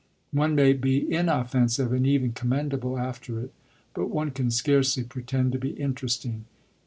One may be inoffensive and even commendable after it, but one can scarcely pretend to be interesting.